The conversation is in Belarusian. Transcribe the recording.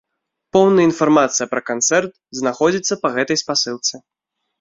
Поўная інфармацыя пра канцэрт знаходзіцца па гэтай спасылцы.